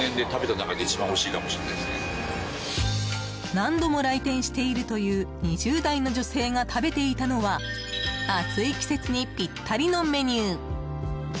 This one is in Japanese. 何度も来店しているという２０代の女性が食べていたのは暑い季節にぴったりのメニュー。